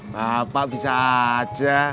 nah pak bisa aja